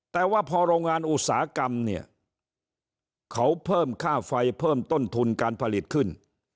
แต่ว่าพอโรงงานอุตสาหกรรมเนี่ยเขาเพิ่มค่าไฟเพิ่มต้นทุนการผลิตขึ้น